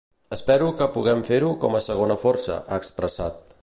Espero que puguem fer-ho com a segona força, ha expressat.